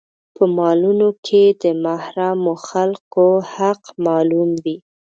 په مالونو کې يې د محرومو خلکو حق معلوم وي.